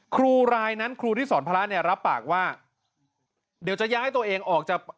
ครูรายนั้นครูที่สอนพระเนี่ยรับปากว่าเดี๋ยวจะย้ายตัวเองออกจาก